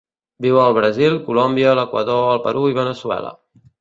Viu al Brasil, Colòmbia, l'Equador, el Perú i Veneçuela.